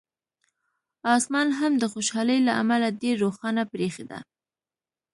اسمان هم د خوشالۍ له امله ډېر روښانه برېښېده.